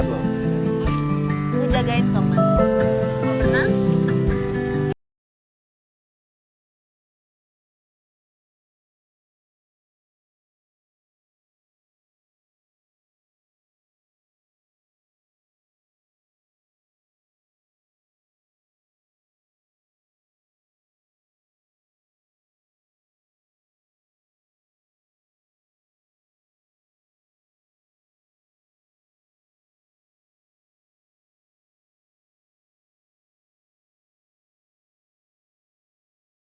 nih nunggu jagain tolong aja ya